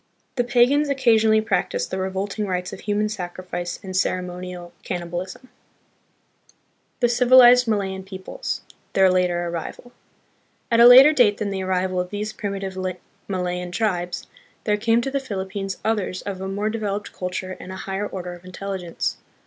The pagans occa sionally practice the revolting rites of human sacrifice and ceremonial cannibalism. THE PEOPLES OF THE PHILIPPINES. 35 The Civilized Malayan Peoples. Their Later Arrival. At a later date than the arrival of these primitive Malayan tribes, there came to the Philippines others of a more developed culture and a higher order of intel ligence.